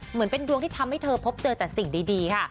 เหมือนเป็นดวงที่ทำให้เธอพบเจอแต่สิ่งดีค่ะ